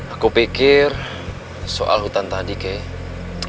aku pikir soal hutan tadi kayaknya